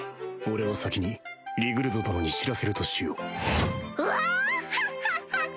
俺は先にリグルド殿に知らせるとしようワッハッハッハッ！